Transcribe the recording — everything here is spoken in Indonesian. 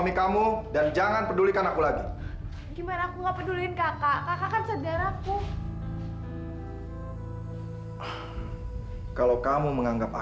sampai jumpa di video selanjutnya